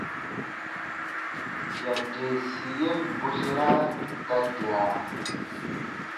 Yadeesi yen bwesera ta dera.